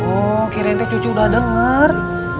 oh kirain teh cucu udah denger